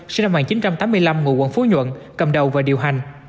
sinh năm một nghìn chín trăm tám mươi năm ngụ quận phú nhuận cầm đầu và điều hành